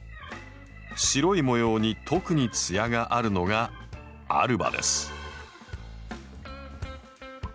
白い模様に特に艶があるのが‘アルバ’です。